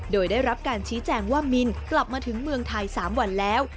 โดยได้รับการชี้แจงว่ามินกลับมาถึงเมืองไทย๓วันแล้ว